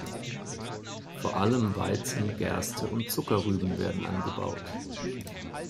Vor allem Weizen, Gerste und Zuckerrüben werden angebaut.